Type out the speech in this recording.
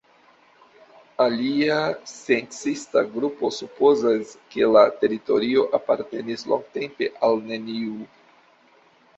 Alia sciencista grupo supozas, ke la teritorio apartenis longtempe al neniu.